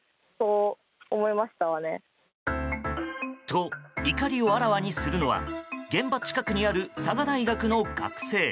と、怒りをあらわにするのは現場近くにある佐賀大学の学生。